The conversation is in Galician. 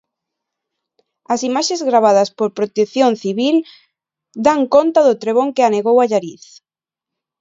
As imaxes gravadas por Protección Civil dan conta do trebón que anegou Allariz.